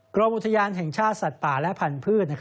กรมอุทยานแห่งชาติสัตว์ป่าและพันธุ์